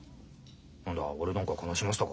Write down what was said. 何だ俺何か悲しませたか？